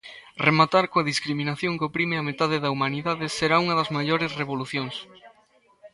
Rematar coa discriminación que oprime a metade da humanidade será unha das maiores revolucións.